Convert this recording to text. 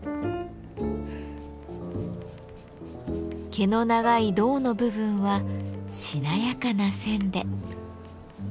毛の長い胴の部分はしなやかな線で。